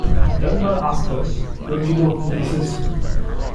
Dunbar asked her, Don't you know who this is?